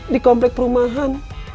di komplek perumahan